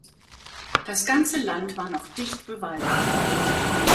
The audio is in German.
Das ganze Land war noch dicht bewaldet.